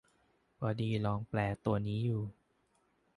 พอดีลองแปลตัวนี้อยู่